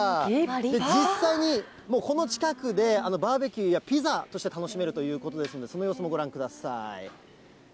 実際にこの近くでバーベキューやピザとして楽しめるということですんで、その様子もご覧ください。